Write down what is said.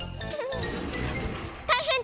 たいへん！